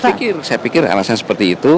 saya pikir saya pikir alasan seperti itu